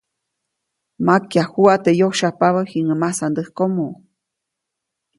Makyajuʼa teʼ yosyajpabä jiŋäʼ masandäjkomo.